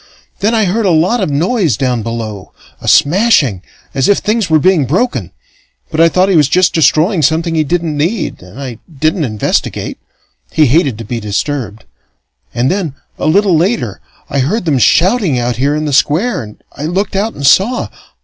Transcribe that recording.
Then I heard a lot of noise down below a smashing as if things were being broken. But I thought he was just destroying something he didn't need, and I didn't investigate: he hated to be disturbed. And then, a little later, I heard them shouting out here in the Square, and I looked out and saw.